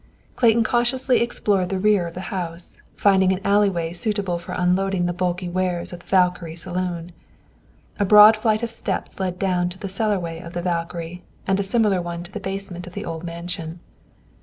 Clayton cautiously explored the rear of the house, finding an alleyway suitable for unloading the bulky wares of the "Valkyrie" saloon. A broad flight of steps led down to the cellarway of the "Valkyrie," and a similar one to the basement of the old mansion.